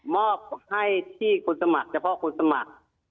มอบให้ที่คนสมัครเฉพาะคนสมัคร